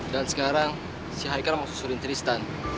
dan sekarang si haikal mau susurin tristan